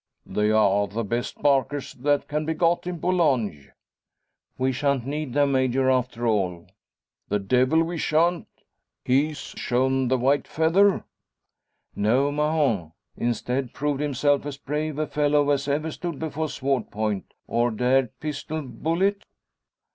They are the "best barkers that can be got in Boulogne." "We shan't need them, Major, after all." "The devil we shan't! He's shown the white feather?" "No, Mahon; instead, proved himself as brave a fellow as ever stood before sword point, or dared pistol bullet?"